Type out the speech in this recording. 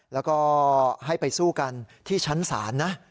แล้วก็ให้ไปสู้กันที่ชั้นศาลนะ